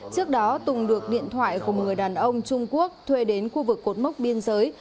trước đó tùng được điện thoại của một người đàn ông trung quốc thuê đến khu vực cột mốc biên giới